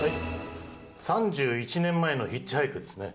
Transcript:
３１年前のヒッチハイクですね。